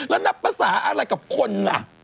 แล้วนับภาษาอะไรกับคนล่ะ